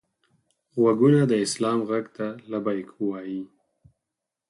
غوږونه د سلام غږ ته لبیک وايي